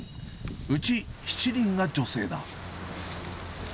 うち７人が女性だ。